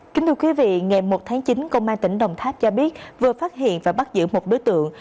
kính thưa quý vị ngày một tháng chín công an tỉnh đồng tháp cho biết vừa phát hiện và bắt giữ một đối tượng